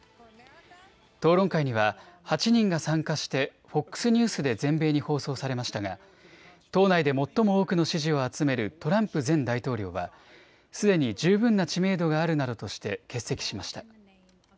討論会には８人が参加してＦＯＸニュースで全米に放送されましたが党内で最も多くの支持を集めるトランプ前大統領はすでに十分な知名度があるなどとして欠席しました。